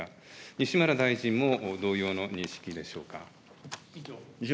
西村大臣も同様の認識でしょうか。